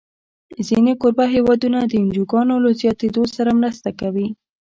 ځینې کوربه هېوادونه د انجوګانو له زیاتېدو سره مرسته کوي.